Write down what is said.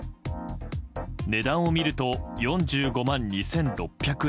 値段を見ると４５万２６００円。